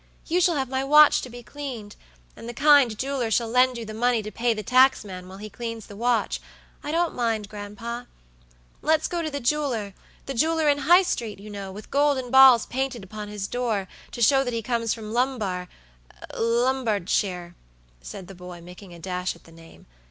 You shall have my watch to be cleaned, and the kind jeweler shall lend you the money to pay the taxman while he cleans the watchI don't mind, gran'pa. Let's go to the jeweler, the jeweler in High street, you know, with golden balls painted upon his door, to show that he comes from LombarLombardshire," said the boy, making a dash at the name.